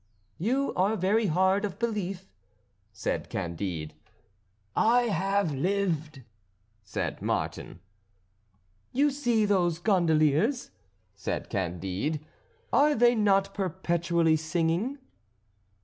"You are very hard of belief," said Candide. "I have lived," said Martin. "You see those gondoliers," said Candide, "are they not perpetually singing?"